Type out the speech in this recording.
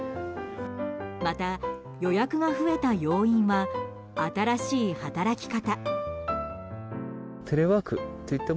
また、予約が増えた要因は新しい働き方。